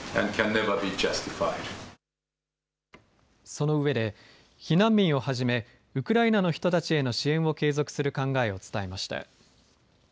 そのうえで避難民をはじめウクライナの人たちへの支援を継続する考えを伝えました。